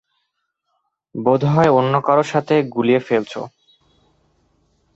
বোধহয় অন্যকারো সাথে গুলিয়ে ফেলছো।